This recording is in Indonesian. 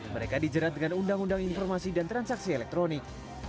mereka dijerat dengan undang undang informasi dan transaksi elektronik